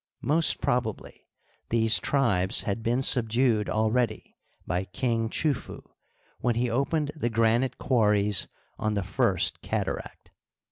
Most probably these tribes had been subdued already by King Chufu when he opened the granite quarries on the First Cataract.